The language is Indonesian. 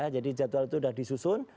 jadi jadwal itu sudah disusun